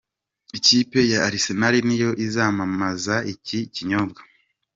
Ikipe ya Arsenal niyo izamamaza iki kinyobwa.